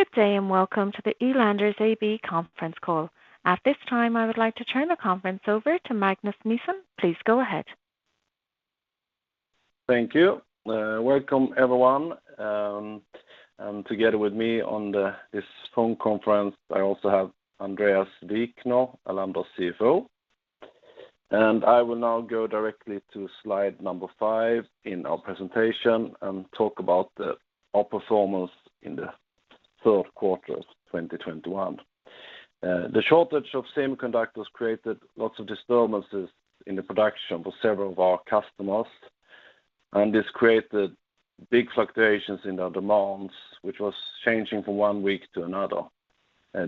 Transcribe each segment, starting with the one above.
Good day. Welcome to the Elanders AB conference call. At this time, I would like to turn the conference over to Magnus Nilsson. Please go ahead. Thank you. Welcome, everyone. Together with me on this phone conference, I also have Andréas Wikner, Elanders CFO. I will now go directly to slide number five in our presentation and talk about our performance in the third quarter of 2021. The shortage of semiconductors created lots of disturbances in the production for several of our customers, and this created big fluctuations in their demands, which was changing from 1 week to another.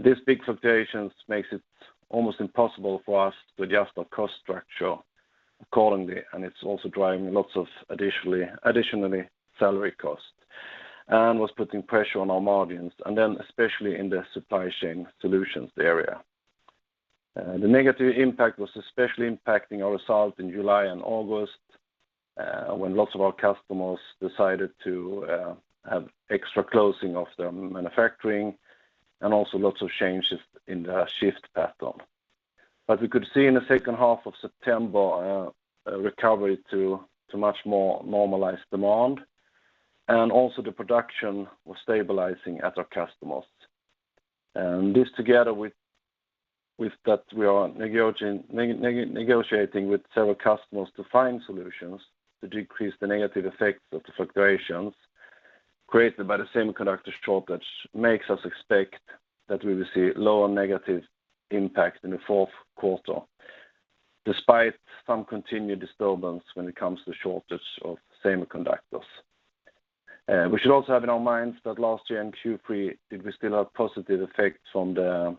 These big fluctuations makes it almost impossible for us to adjust our cost structure accordingly, and it's also driving lots of additionally salary costs and was putting pressure on our margins, and then especially in the Supply Chain Solutions area. The negative impact was especially impacting our results in July and August, when lots of our customers decided to have extra closing of their manufacturing and also lots of changes in their shift pattern. We could see in the second half of September, a recovery to much more normalized demand, and also the production was stabilizing at our customers. This together with that we are negotiating with several customers to find solutions to decrease the negative effects of the fluctuations created by the semiconductor shortage makes us expect that we will see lower negative impact in the fourth quarter, despite some continued disturbance when it comes to shortage of semiconductors. We should also have in our minds that last year in Q3, did we still have positive effects from the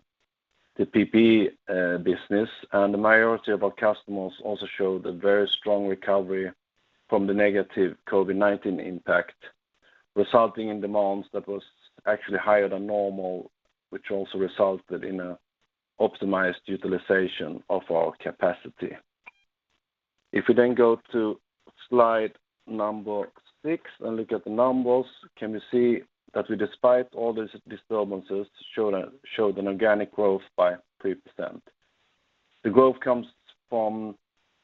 PPE business, and the majority of our customers also showed a very strong recovery from the negative COVID-19 impact, resulting in demands that was actually higher than normal, which also resulted in a optimized utilization of our capacity. If we then go to slide six and look at the numbers, can we see that we despite all these disturbances, showed an organic growth by 3%. The growth comes from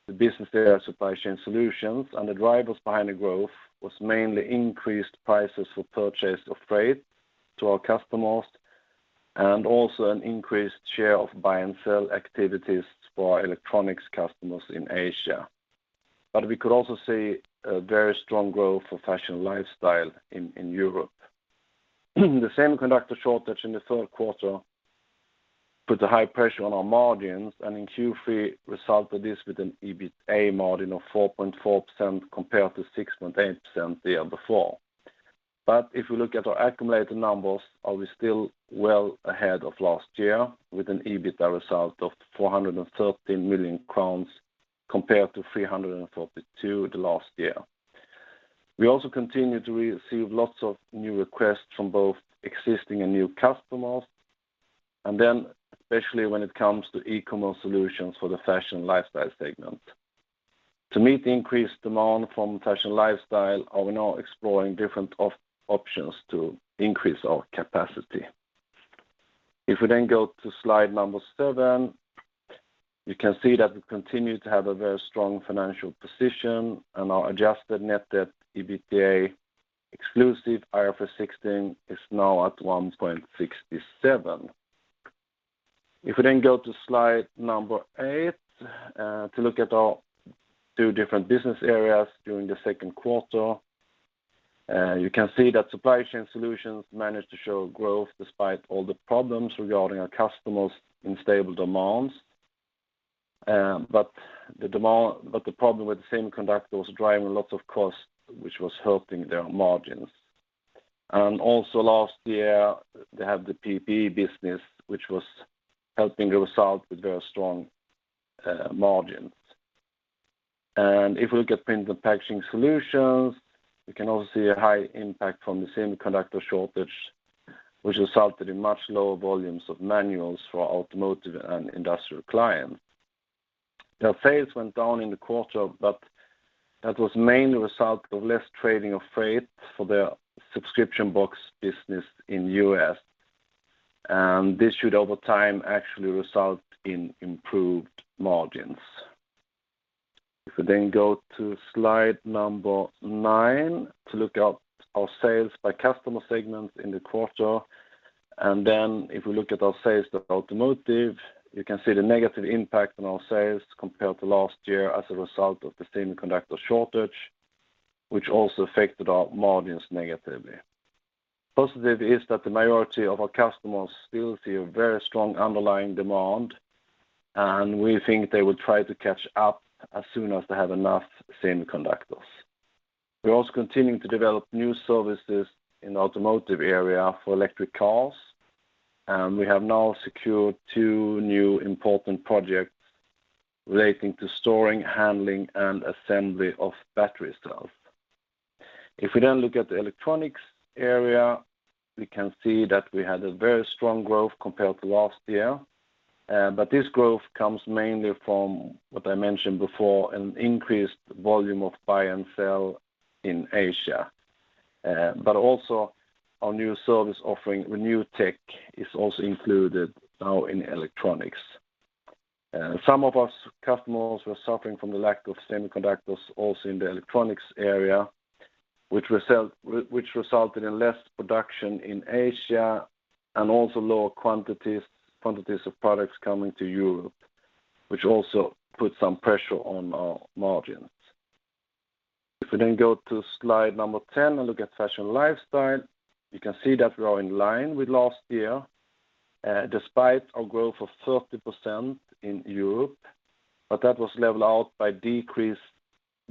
the business area Supply Chain Solutions, and the drivers behind the growth was mainly increased prices for purchase of freight to our customers, and also an increased share of buy and sell activities for our electronics customers in Asia. We could also see a very strong growth for fashion lifestyle in Europe. The semiconductor shortage in the third quarter put a high pressure on our margins, and in Q3, resulted this with an EBITDA margin of 4.4% compared to 6.8% the year before. If we look at our accumulated numbers, are we still well ahead of last year with an EBITDA result of 413 million crowns compared to 342 the last year. We also continue to receive lots of new requests from both existing and new customers, and then especially when it comes to e-commerce solutions for the fashion lifestyle segment. To meet the increased demand from fashion lifestyle, are we now exploring different options to increase our capacity. If we go to slide seven, you can see that we continue to have a very strong financial position and our adjusted net debt EBITDA exclusive IFRS 16 is now at 1.67. If we go to slide eight, to look at our two different business areas during the second quarter, you can see that Supply Chain Solutions managed to show growth despite all the problems regarding our customers in stable demands. The problem with the semiconductor was driving lots of costs, which was hurting their margins. Also last year, they had the PPE business, which was helping the result with very strong margins. If we look at Print & Packaging Solutions, we can also see a high impact from the semiconductor shortage, which resulted in much lower volumes of manuals for our automotive and industrial clients. Their sales went down in the quarter, that was mainly a result of less trading of freight for their subscription box business in U.S. This should, over time, actually result in improved margins. If we go to slide 9 to look at our sales by customer segments in the quarter, if we look at our sales to automotive, you can see the negative impact on our sales compared to last year as a result of the semiconductor shortage, which also affected our margins negatively. Positive is that the majority of our customers still see a very strong underlying demand, and we think they will try to catch up as soon as they have enough semiconductors. We are also continuing to develop new services in automotive area for electric cars, and we have now secured 2 new important projects relating to storing, handling, and assembly of battery cells. If we look at the electronics area, we can see that we had a very strong growth compared to last year. This growth comes mainly from what I mentioned before, an increased volume of buy and sell in Asia. Also our new service offering, Renewed Tech, is also included now in electronics. Some of our customers were suffering from the lack of semiconductors also in the electronics area, which resulted in less production in Asia and also lower quantities of products coming to Europe, which also put some pressure on our margins. We then go to slide number 10 and look at fashion and lifestyle, you can see that we are in line with last year despite our growth of 30% in Europe, but that was leveled out by decreased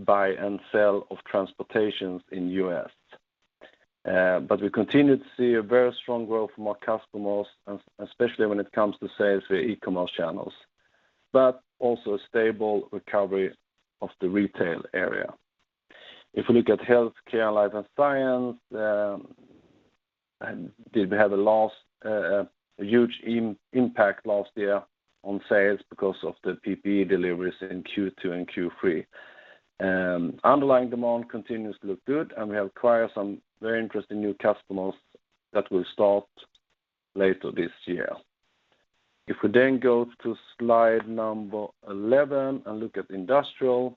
buy and sell of transportations in U.S. We continued to see a very strong growth from our customers, especially when it comes to sales via e-commerce channels, but also a stable recovery of the retail area. If we look at healthcare, life and science, we had a huge impact last year on sales because of the PPE deliveries in Q2 and Q3. Underlying demand continues to look good, and we have acquired some very interesting new customers that will start later this year. If we then go to slide 11 and look at Industrial,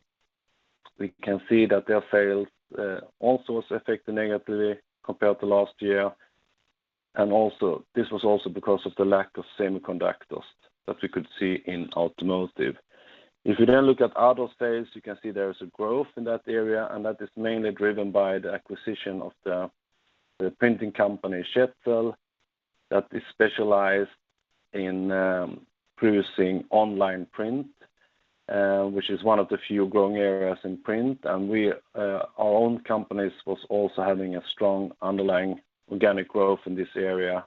we can see that their sales also was affected negatively compared to last year. This was also because of the lack of semiconductors that we could see in automotive. If you then look at other sales, you can see there is a growth in that area, and that is mainly driven by the acquisition of the printing company Schätzl that is specialized in producing online print, which is one of the few growing areas in print. Our own companies was also having a strong underlying organic growth in this area.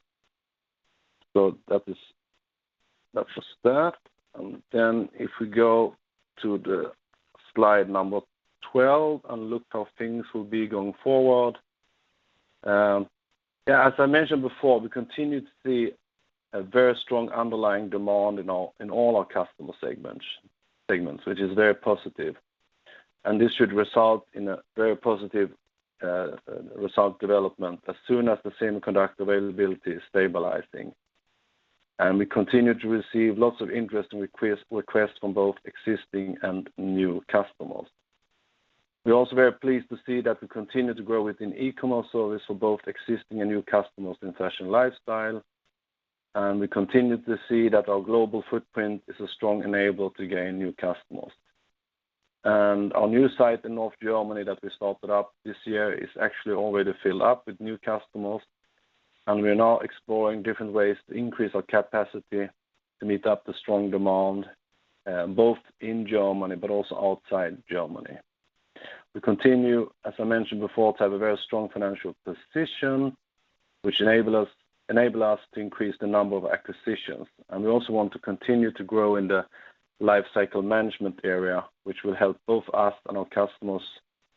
That was that. Then if we go to slide 12 and look how things will be going forward. As I mentioned before, we continue to see a very strong underlying demand in all our customer segments, which is very positive. This should result in a very positive result development as soon as the semiconductor availability is stabilizing. We continue to receive lots of interesting requests from both existing and new customers. We are also very pleased to see that we continue to grow within e-commerce service for both existing and new customers in fashion and lifestyle. We continue to see that our global footprint is a strong enabler to gain new customers. Our new site in North Germany that we started up this year is actually already filled up with new customers, and we are now exploring different ways to increase our capacity to meet up the strong demand, both in Germany but also outside Germany. We continue, as I mentioned before, to have a very strong financial position, which enable us to increase the number of acquisitions. We also want to continue to grow in the lifecycle management area, which will help both us and our customers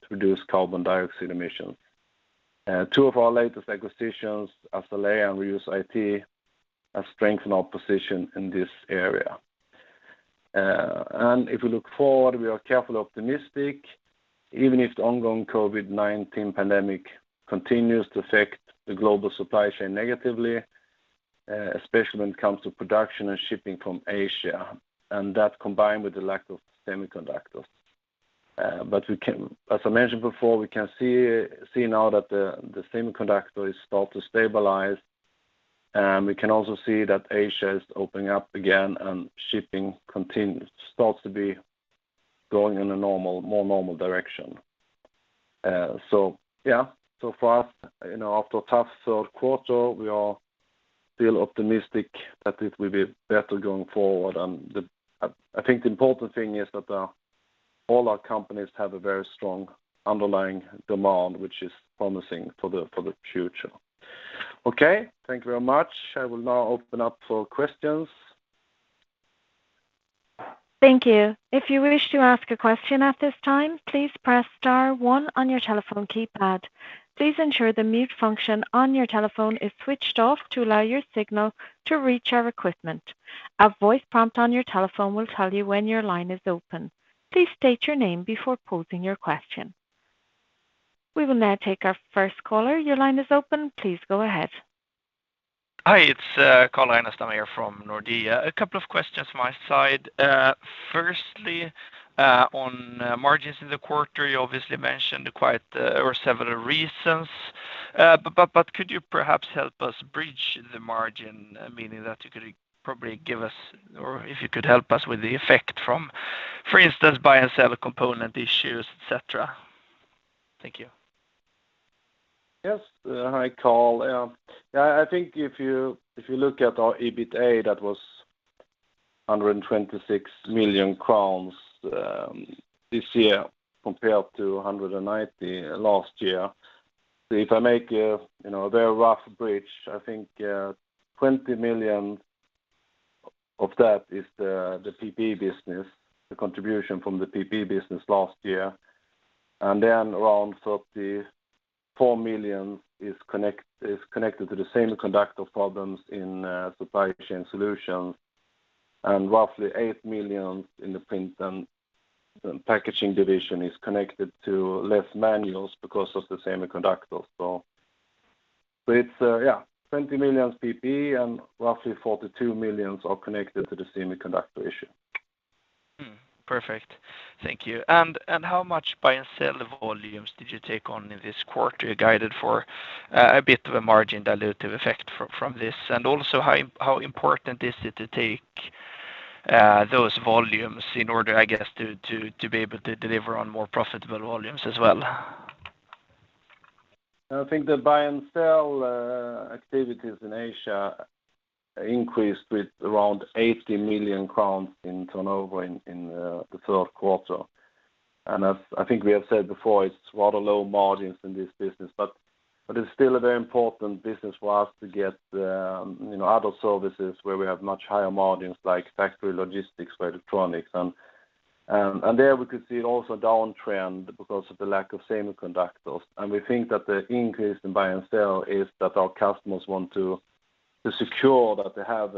to reduce carbon dioxide emissions. Two of our latest acquisitions, Azalea and ReuseIT, have strengthened our position in this area. If we look forward, we are carefully optimistic, even if the ongoing COVID-19 pandemic continues to affect the global supply chain negatively, especially when it comes to production and shipping from Asia, and that combined with the lack of semiconductors. As I mentioned before, we can see now that the semiconductor is start to stabilize. We can also see that Asia is opening up again and shipping starts to be going in a more normal direction. So far, after a tough third quarter, we are still optimistic that it will be better going forward. I think the important thing is that all our companies have a very strong underlying demand, which is promising for the future. Thank you very much. I will now open up for questions. Thank you. If you wish to ask a question at this time, please press star one on your telephone keypad. Please ensure the mute function on your telephone is switched off to allow your signal to reach our equipment. A voice prompt on your telephone will tell you when your line is open. Please state your name before posing your question. We will now take our first caller. Your line is open. Please go ahead. Hi, it's Carl Sjöberg from Nordea. A couple of questions from my side. Firstly, on margins in the quarter, you obviously mentioned there were several reasons. Could you perhaps help us bridge the margin, meaning if you could help us with the effect from, for instance, buy and sell component issues, et cetera? Thank you. Yes. Hi, Carl. I think if you look at our EBITA, that was 126 million crowns this year compared to 190 million last year. If I make a very rough bridge, I think 20 million of that is the PPE business, the contribution from the PPE business last year. Around 34 million is connected to the semiconductor problems in Supply Chain Solutions, and roughly 8 million in the Print & Packaging Solutions division is connected to less manuals because of the semiconductors. It's 20 million PPE, and roughly 42 million are connected to the semiconductor issue. Perfect. Thank you. How much buy and sell volumes did you take on in this quarter? You guided for a bit of a margin dilutive effect from this, and also how important is it to take those volumes in order, I guess, to be able to deliver on more profitable volumes as well? I think the buy and sell activities in Asia increased with around 80 million crowns in turnover in the third quarter. As I think we have said before, it's rather low margins in this business, but it's still a very important business for us to get other services where we have much higher margins, like factory logistics for electronics. There we could see also a downtrend because of the lack of semiconductors. We think that the increase in buy and sell is that our customers want to secure that they have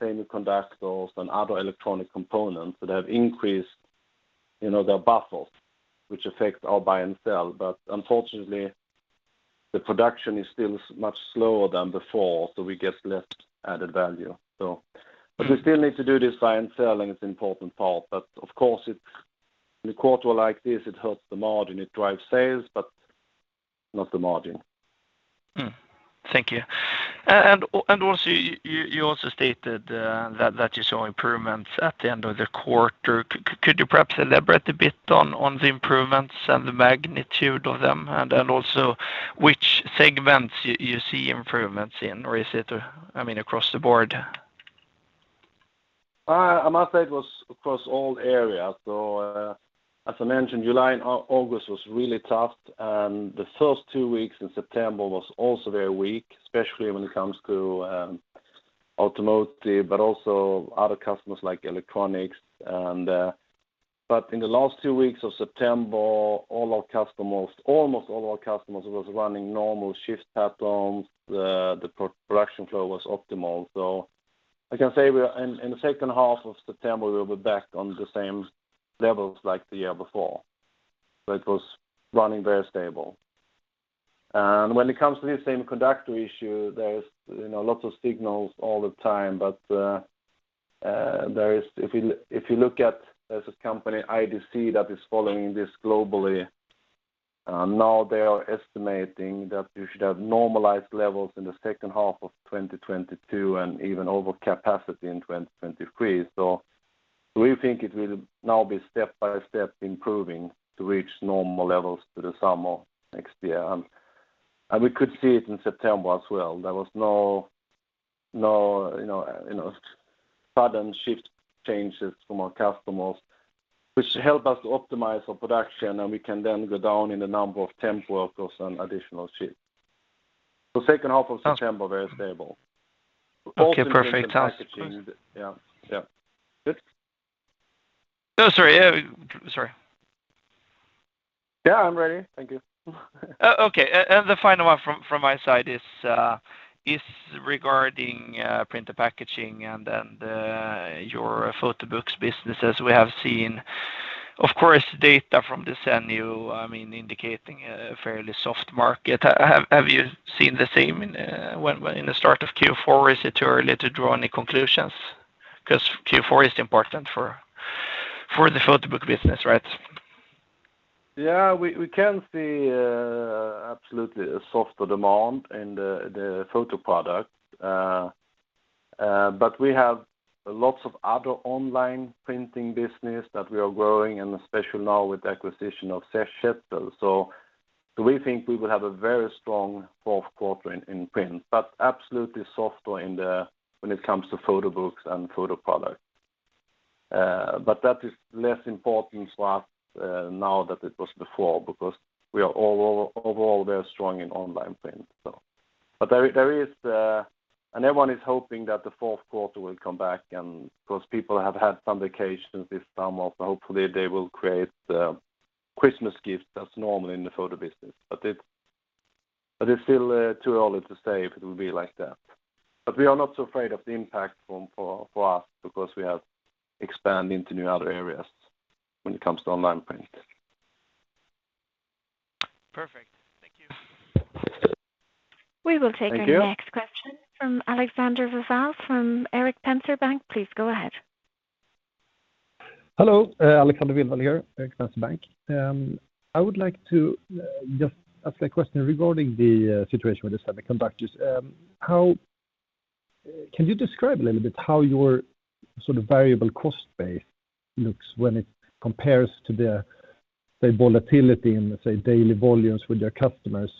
semiconductors and other electronic components that have increased their buffers, which affect our buy and sell. Unfortunately, the production is still much slower than before, so we get less added value. We still need to do this buy and sell, and it's important part, but of course in a quarter like this, it hurts the margin. It drives sales, but not the margin. Thank you. Also, you also stated that you saw improvements at the end of the quarter. Could you perhaps elaborate a bit on the improvements and the magnitude of them and then also which segments you see improvements in? Or is it across the board? I must say it was across all areas. As I mentioned, July and August was really tough, and the first two weeks in September was also very weak, especially when it comes to automotive, but also other customers like electronics. In the last two weeks of September, almost all our customers was running normal shift patterns. The production flow was optimal. I can say in the second half of September, we were back on the same levels like the year before. It was running very stable. When it comes to the semiconductor issue, there is lots of signals all the time. If you look at, there's a company, IDC, that is following this globally. Now they are estimating that you should have normalized levels in the second half of 2022 and even over capacity in 2023. We think it will now be step by step improving to reach normal levels through the summer next year. We could see it in September as well. There was no sudden shift changes from our customers, which help us optimize our production, and we can then go down in the number of temp workers on additional shifts. Second half of September, very stable. Okay, perfect. Both in Print & Packaging. Yeah. Good? No, sorry. Yeah, I'm ready. Thank you. Okay. The final one from my side is regarding Print & Packaging Solutions and then your photo books businesses. We have seen, of course, data from the IDC indicating a fairly soft market. Have you seen the same in the start of Q4? Is it too early to draw any conclusions? Q4 is important for the photo book business, right? We can see absolutely a softer demand in the photo product. We have lots of other online printing business that we are growing, and especially now with the acquisition of Schätzl. We think we will have a very strong fourth quarter in print, but absolutely softer when it comes to photo books and photo products. That is less important for us now than it was before because we are overall very strong in online print. Everyone is hoping that the fourth quarter will come back, and of course, people have had some vacations this summer, so hopefully they will create Christmas gifts as normal in the photo business. It is still too early to say if it will be like that. We are not so afraid of the impact for us because we have expanded into new other areas when it comes to online print. Perfect. Thank you. We will take our next question from Alexander Vilval from Erik Penser Bank. Please go ahead. Hello, Alexander Vilval here, Erik Penser Bank. I would like to just ask a question regarding the situation with the semiconductors. Can you describe a little bit how your variable cost base looks when it compares to the, say, volatility in, let's say, daily volumes with your customers?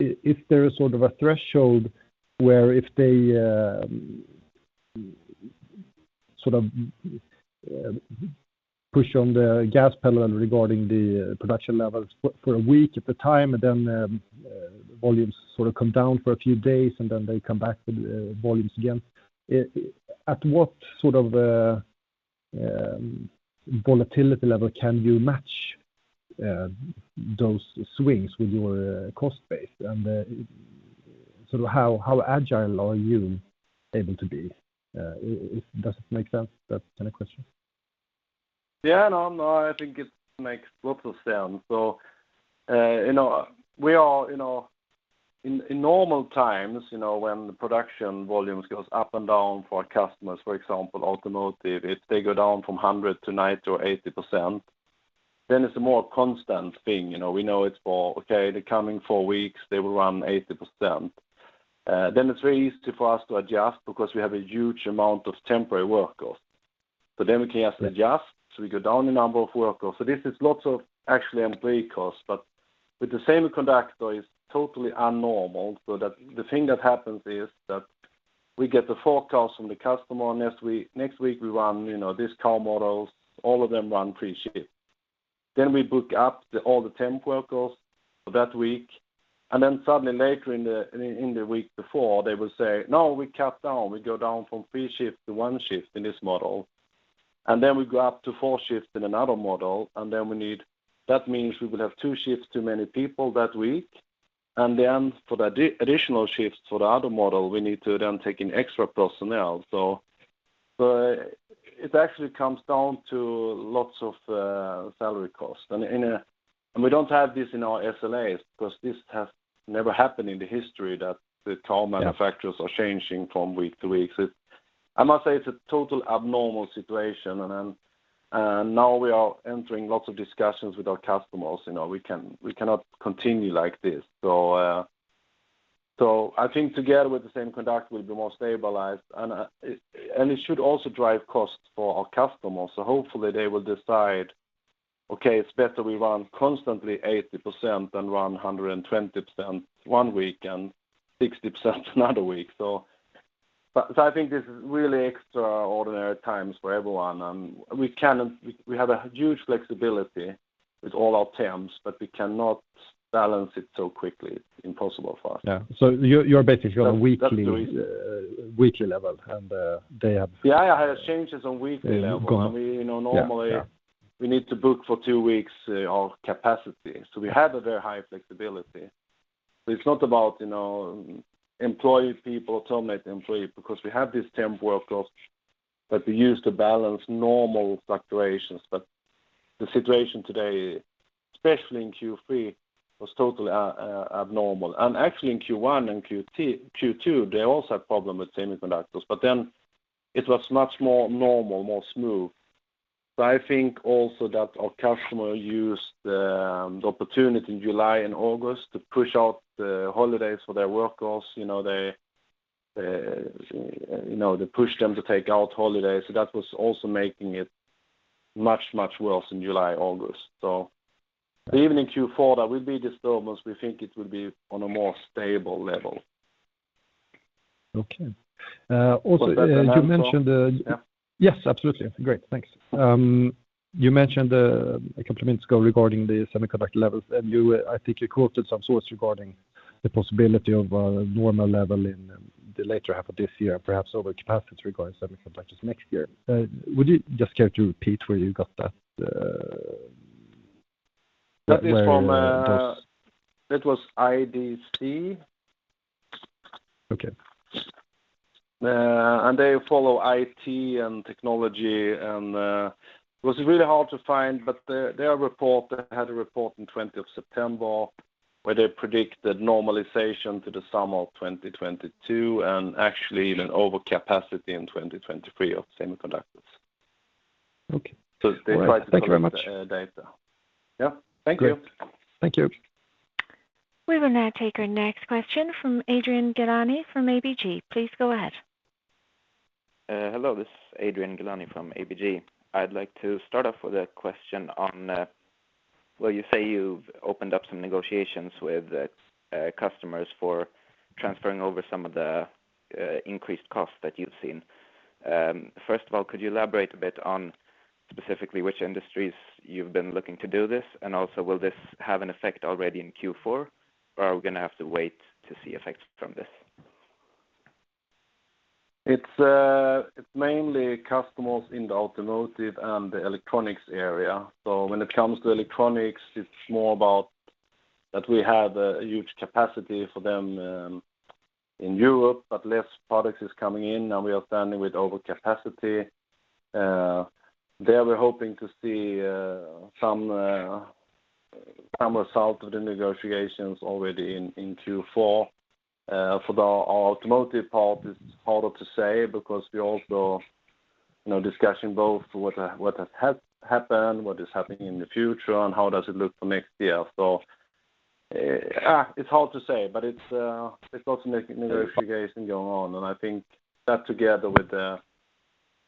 If there is a threshold where if they push on the gas pedal regarding the production levels for a week at a time, and then the volumes come down for a few days and then they come back with volumes again. At what sort of volatility level can you match those swings with your cost base? How agile are you able to be? Does it make sense, that kind of question? Yeah. No, I think it makes lots of sense. In normal times, when the production volumes goes up and down for our customers, for example, automotive, if they go down from 100% to 90% or 80%, it's a more constant thing. We know it's for, okay, the coming four weeks, they will run 80%. It's very easy for us to adjust because we have a huge amount of temporary workers. We can actually adjust, so we go down the number of workers. This is lots of actually employee costs, with the semiconductor is totally abnormal, the thing that happens is that we get the forecast from the customer. Next week we run these car models, all of them run three shifts. We book up all the temp workers for that week, suddenly later in the week before, they will say, "No, we cut down. We go down from three shifts to one shift in this model, we go up to four shifts in another model," that means we will have two shifts, too many people that week. For the additional shifts for the other model, we need to then take in extra personnel. It actually comes down to lots of salary costs. We don't have this in our SLAs because this has never happened in the history that the car- Yeah. Manufacturers are changing from week to week. I must say it's a total abnormal situation. Now we are entering lots of discussions with our customers. We cannot continue like this. I think together with the semiconductor will be more stabilized, and it should also drive costs for our customers. Hopefully they will decide, "Okay, it's better we run constantly 80% than run 120% one week and 60% another week." I think this is really extraordinary times for everyone, and we have a huge flexibility with all our temps, but we cannot balance it so quickly. Impossible for us. Yeah. You're basically on a weekly, That's the way it is. Weekly level and day up. Yeah, it changes on weekly level. Go on. Yeah. Normally, we need to book for two weeks of capacity. We have a very high flexibility. It's not about employee people terminate employee because we have these temp workers that we use to balance normal fluctuations. The situation today, especially in Q3, was totally abnormal. Actually in Q1 and Q2, they also had problem with semiconductors, but then it was much more normal, more smooth. I think also that our customer used the opportunity in July and August to push out the holidays for their workers. They pushed them to take out holidays, so that was also making it much, much worse in July, August. Even in Q4, there will be disturbance. We think it will be on a more stable level. Okay. Also, you mentioned. Was that enough? Yeah. Yes, absolutely. Great. Thanks. You mentioned a couple of minutes ago regarding the semiconductor levels, and I think you quoted some source regarding the possibility of a normal level in the later half of this year and perhaps overcapacity regarding semiconductors next year. Would you just care to repeat where you got that? Where it was. That was IDC. Okay. They follow IT and technology, and it was really hard to find, but they had a report in 20th September where they predict the normalization to the summer of 2022 and actually even overcapacity in 2023 of semiconductors. Okay. All right. Thank you very much. They try to collect the data. Yeah. Thank you. Great. Thank you. We will now take our next question from Adrian Gilani from ABG. Please go ahead. Hello, this is Adrian Gilani from ABG. I'd like to start off with a question on, well, you say you've opened up some negotiations with customers for transferring over some of the increased costs that you've seen. First of all, could you elaborate a bit on specifically which industries you've been looking to do this? Also, will this have an effect already in Q4, or are we going to have to wait to see effects from this? It's mainly customers in the automotive and the electronics area. When it comes to electronics, it's more about that we have a huge capacity for them in Europe, but less products is coming in, now we are standing with overcapacity. There, we're hoping to see some result of the negotiations already in Q4. For the automotive part, it's harder to say because we're also discussing both what has happened, what is happening in the future, and how does it look for next year. It's hard to say, but there's lots of negotiation going on, and I think that together with the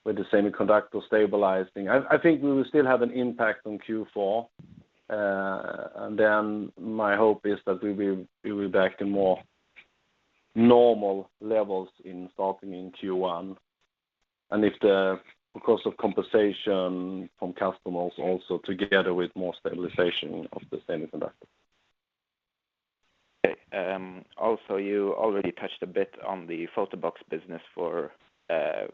semiconductor stabilizing, I think we will still have an impact on Q4. My hope is that we will be back to more normal levels in starting in Q1. If the cost of compensation from customers also together with more stabilization of the semiconductor. Okay. You already touched a bit on the photo book business for Q4,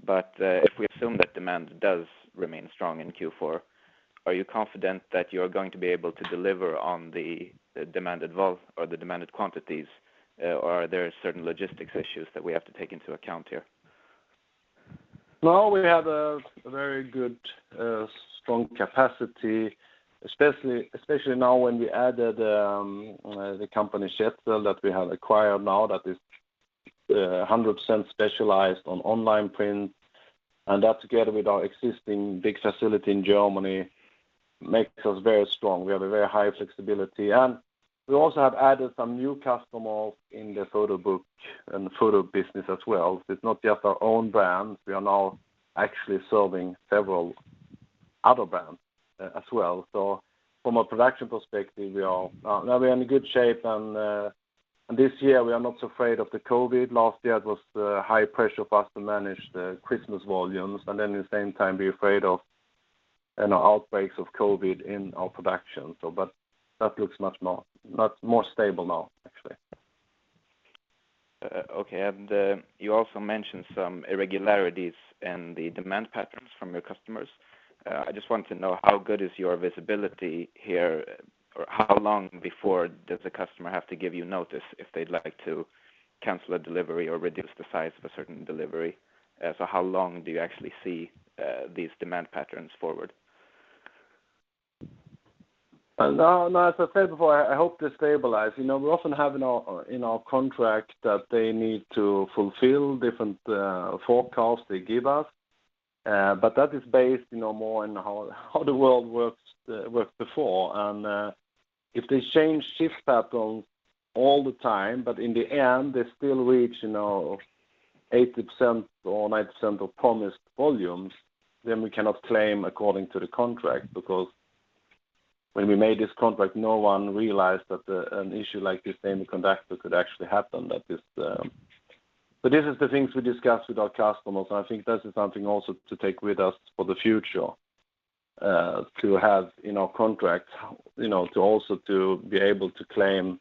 if we assume that demand does remain strong in Q4, are you confident that you're going to be able to deliver on the demanded quantities or are there certain logistics issues that we have to take into account here? No, we have a very good, strong capacity, especially now when we added the company Schätzl that we have acquired now that is 100% specialized on online print. That together with our existing big facility in Germany makes us very strong. We have a very high flexibility. We also have added some new customers in the photo book and photo business as well. It's not just our own brands. We are now actually serving several other brands as well. From a production perspective, we are now in good shape. This year, we are not so afraid of the COVID. Last year it was high pressure for us to manage the Christmas volumes and then at the same time be afraid of outbreaks of COVID in our production. That looks much more stable now, actually. Okay. You also mentioned some irregularities in the demand patterns from your customers. I just want to know how good is your visibility here? How long before does the customer have to give you notice if they'd like to cancel a delivery or reduce the size of a certain delivery? How long do you actually see these demand patterns forward? As I said before, I hope to stabilize. We often have in our contract that they need to fulfill different forecasts they give us. That is based more on how the world worked before. If they change shift patterns all the time, but in the end, they still reach 80% or 90% of promised volumes, then we cannot claim according to the contract, because when we made this contract, no one realized that an issue like this semiconductor could actually happen. This is the things we discussed with our customers, and I think this is something also to take with us for the future, to have in our contract, to also to be able to claim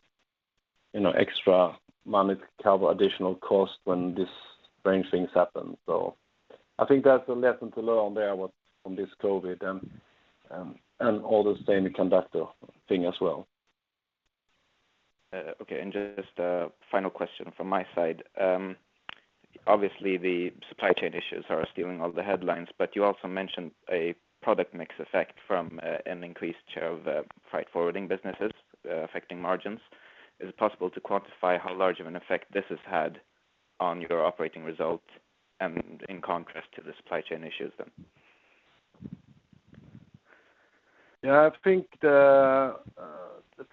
extra money to cover additional cost when these strange things happen. I think that's a lesson to learn there from this COVID-19 and all this semiconductor thing as well. Okay, just a final question from my side. Obviously, the supply chain issues are stealing all the headlines, you also mentioned a product mix effect from an increased share of freight forwarding businesses affecting margins. Is it possible to quantify how large of an effect this has had on your operating results and in contrast to the supply chain issues then? Yeah, I think the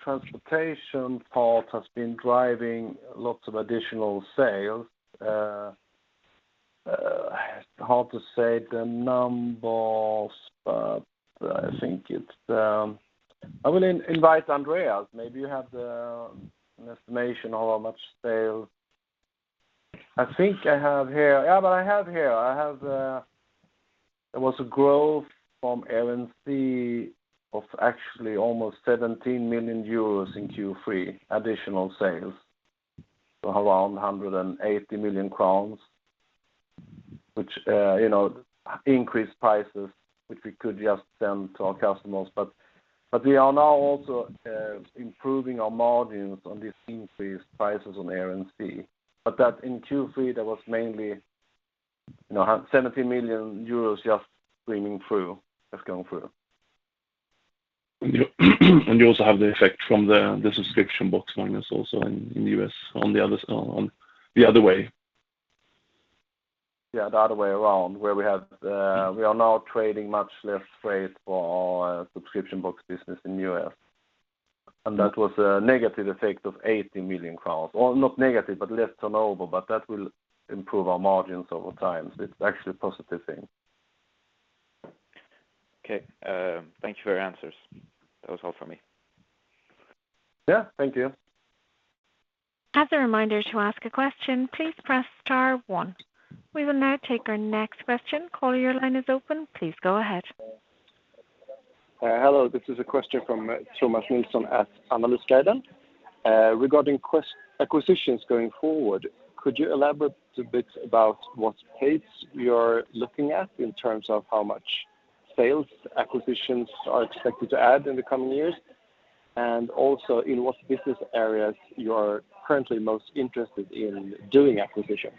transportation part has been driving lots of additional sales. It's hard to say the numbers. I will invite Andréas. Maybe you have an estimation of how much sales. I think I have here. Yeah, I have here. There was a growth from Air & Sea of actually almost 17 million euros in Q3, additional sales to around 180 million crowns, which increased prices, which we could just send to our customers. We are now also improving our margins on these increased prices on Air & Sea. That in Q3, that was mainly 17 million euros just streaming through, just going through. You also have the effect from the subscription box business also in the U.S. on the other way. Yeah, the other way around, where we are now trading much less freight for our subscription box business in the U.S. That was a negative effect of 80 million crowns. Not negative, but less turnover, but that will improve our margins over time. It's actually a positive thing. Okay. Thank you for your answers. That was all from me. Yeah. Thank you. As a reminder to ask a question, please press star one. We will now take our next question. Caller, your line is open. Please go ahead. Hello. This is a question from Thomas Nilsson at Analysguiden. Regarding acquisitions going forward, could you elaborate a bit about what pace you are looking at in terms of how much sales acquisitions are expected to add in the coming years? Also, in what business areas you are currently most interested in doing acquisitions?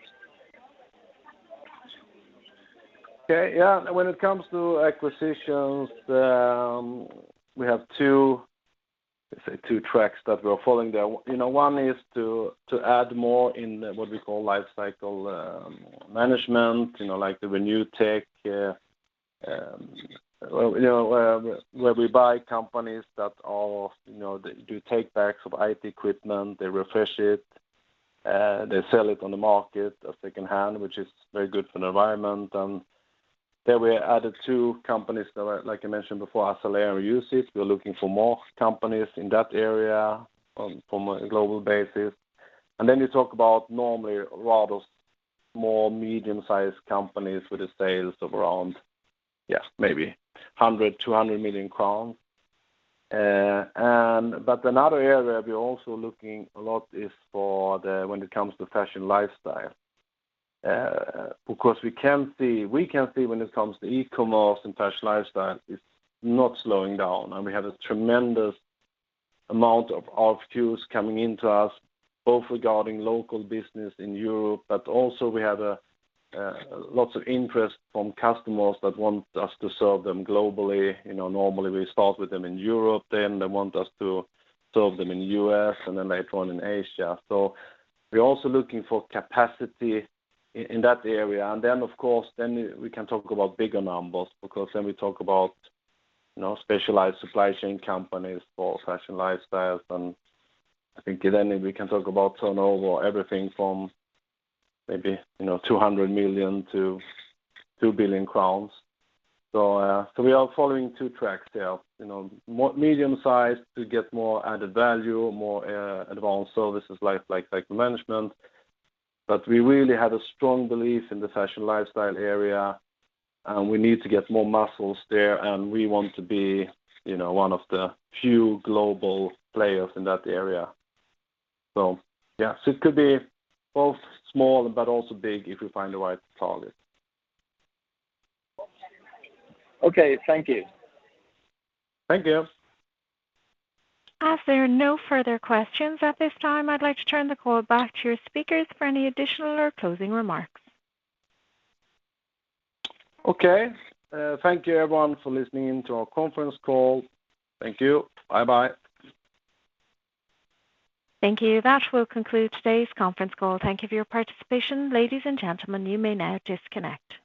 Okay. Yeah. When it comes to acquisitions, we have two tracks that we are following there. One is to add more in what we call life cycle management, like the Renewed Tech, where we buy companies that do take-backs of IT equipment, they refresh it. And they sell it on the market as secondhand, which is very good for the environment. Then we added two companies that, like I mentioned before, Azalea and ReuseIT. We're looking for more companies in that area from a global basis. Then you talk about normally a lot of small, medium-sized companies with the sales of around maybe 100 million, 200 million crowns. Another area we're also looking a lot is for when it comes to fashion lifestyle. We can see when it comes to e-commerce and fashion lifestyle, it's not slowing down. We have a tremendous amount of RFQs coming into us, both regarding local business in Europe, but also we have lots of interest from customers that want us to serve them globally. Normally we start with them in Europe. Then they want us to serve them in U.S., and then later on in Asia. We're also looking for capacity in that area. Then, of course, then we can talk about bigger numbers because then we talk about specialized supply chain companies for fashion lifestyles, and I think then we can talk about turnover, everything from maybe 200 million-2 billion crowns. We are following two tracks there. Medium size to get more added value, more advanced services like tech management. We really have a strong belief in the fashion lifestyle area, and we need to get more muscles there, and we want to be one of the few global players in that area. Yes, it could be both small but also big if we find the right target. Okay. Thank you. Thank you. As there are no further questions at this time, I'd like to turn the call back to your speakers for any additional or closing remarks. Okay. Thank you everyone for listening in to our conference call. Thank you. Bye-bye. Thank you. That will conclude today's conference call. Thank you for your participation. Ladies and gentlemen, you may now disconnect.